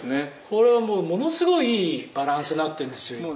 「これはもうものすごいいいバランスになってるんですよ今」